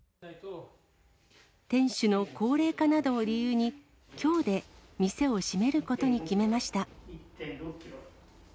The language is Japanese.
店主の高齢化などを理由に、きょうで店を閉めることに決めました。